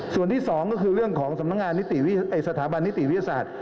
ส่วนที่๒ก็คือเรื่องของสถาบันนิติวิทยาศาสตร์